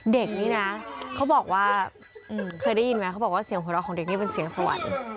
เด็กนี่นะเขาบอกว่าเคยได้ยินไหมเขาบอกว่าเสียงหัวเราะของเด็กนี่เป็นเสียงสวรรค์